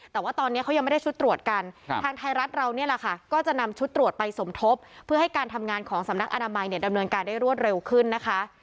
แต่ว่าตอนนี้เขายังไม่ได้ชุดตรวจกันทางไทยรัฐเรานี่แหละค่ะก็จะนำชุดตรวจไปสมทบเพื่อให้การทำงานของสำนักอนามัยเนี่ยดำเนินการได้รวดเร็วขึ้นนะคะ